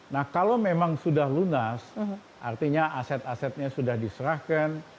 nah kalau memang sudah lunas artinya aset asetnya sudah diserahkan